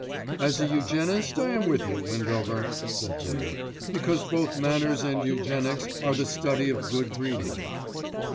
"As a eugenist I am with you, Windover," said Dare; "because both manners and eugenics are the study of good breeding."